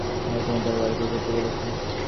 তোমাকে এক্ষুনি তাঁর বাড়িতে যেতে বলেছে।